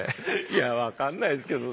いや分かんないですけど。